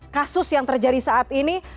kasus yang terjadi saat ini